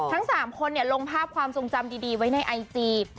ทั้งสามคนเนี่ยลงภาพความทรงจำดีไว้ในไอจีบ